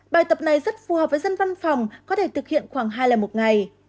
bài tập này rất phù hợp với dân văn phòng có thể thực hiện khoảng hai lần một ngày